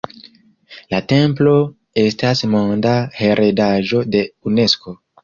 La templo estas monda heredaĵo de Unesko.